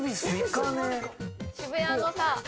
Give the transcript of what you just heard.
渋谷のさ